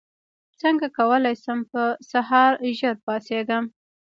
څنګه کولی شم په سهار ژر پاڅېږم